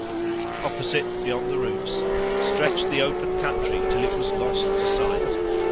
Opposite, beyond the roofs, stretched the open country till it was lost to sight.